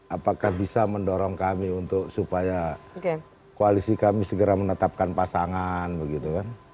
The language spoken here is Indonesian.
apakah bisa mendorong kami untuk supaya koalisi kami segera menetapkan pasangan begitu kan